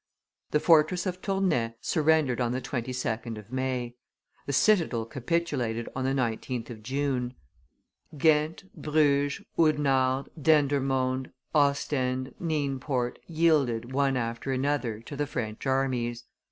The fortress of Tournai surrendered on the 22d of May; the citadel capitulated on the 19th of June. Ghent, Bruges, Oudenarde, Dendermonde, Ostend, Nienport, yielded, one after another, to the French armies.